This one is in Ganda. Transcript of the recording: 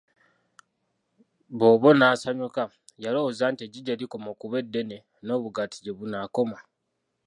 Bobbo n'asanyuka, yalowooza nti eggi gye likoma okuba eddene n'obugaati gye bunaakoma.